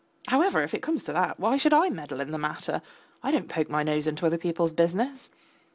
However, if it comes to that, why should I meddle in the matter? I don't poke my nose into other people's business.